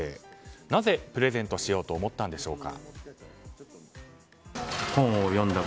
なぜ、プレゼントしようと思ったんでしょうか？